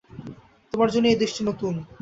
তোমার জন্য এই দেশটি নতুন।